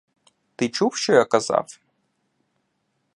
Ти чув, що я казав?